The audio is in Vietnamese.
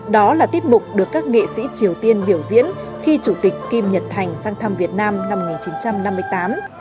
đó là tiết mục được các nghệ sĩ triều tiên biểu diễn khi chủ tịch kim nhật thành sang thăm việt nam năm một nghìn chín trăm năm mươi tám